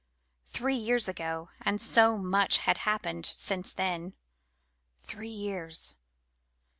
Three years ago, and so much had happened since then. Three years!